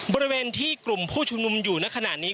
บริเวณที่กลุ่มผู้ชุมนุมอยู่ในขณะนี้